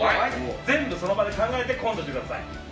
全部その場で考えてコントしてください。